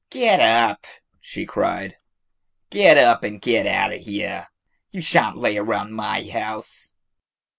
"Get up!" she cried; "get up and get out o' here. You sha'n't lay around my house."